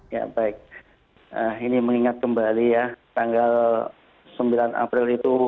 ya baik ini mengingat kembali ya tanggal sembilan april itu